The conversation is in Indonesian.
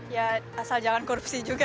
ya asal jangan korupsi juga